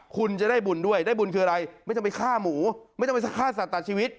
คุณจะได้บุญด้วยได้บุญคืออะไรไม่ต้องไปฆ่าหมูไม่ต้องไปฆ่าสัตว์ชีวิต